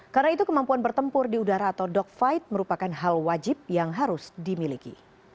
karena itu kemampuan bertempur di udara atau dogfight merupakan hal wajib yang harus dimiliki